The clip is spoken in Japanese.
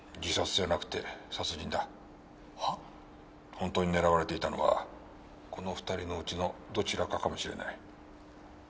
本当に狙われていたのはこの２人のうちのどちらかかもしれない。